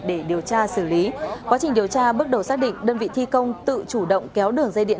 để điều tra xử lý quá trình điều tra bước đầu xác định đơn vị thi công tự chủ động kéo đường dây điện